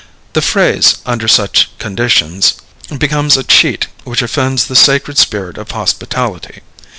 The phrase, under such conditions, becomes a cheat which offends the sacred spirit of hospitality.